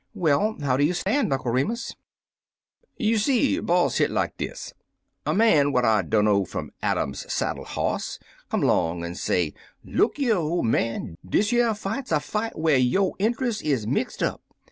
Well, how do you stand. Uncle Remus ?" "You see, boss, hit like dis: Er man what I dimno fum Adam's saddle hoss come 'long an' say, 'Look yer, ole man, dish yer fight's er fight whar yo' intrust is mixt up.